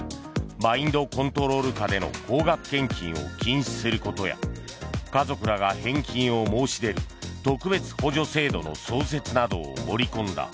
マインドコントロール下での高額献金を禁止することや家族らが返金を申し出る特別補助制度の創設などを盛り込んだ。